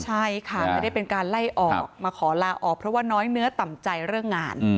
ใช่ค่ะไม่ได้เป็นการไล่ออกมาขอลาออกเพราะว่าน้อยเนื้อต่ำใจเรื่องงาน